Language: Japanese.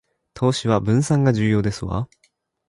投資は分散が重要ですわ